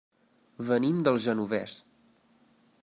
Venim del Genovés.